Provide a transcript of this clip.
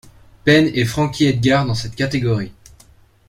Penn et Frankie Edgar dans cette catégorie.